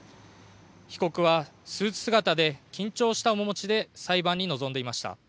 被告はスーツ姿で緊張した面持ちで裁判に臨んでいました。